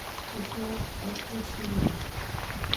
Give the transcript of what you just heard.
এটা একটা শিলা।